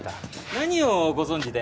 何をご存じで？